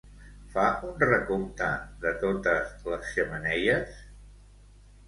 Fa un recompte de totes les xemeneies?